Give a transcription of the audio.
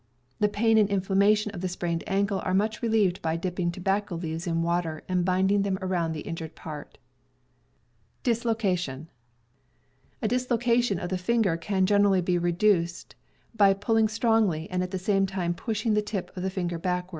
The pain and inflammation of a sprained ankle are much relieved by dipping tobacco leaves in water and bind ing them around the injured part. jy. .. A dislocation of the finger can gener ally be reduced by pulling strongly and at the same time pushing the tip of the finger backward.